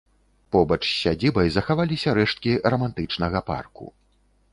Побач з сядзібай захаваліся рэшткі рамантычнага парку.